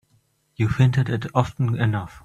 You've hinted it often enough.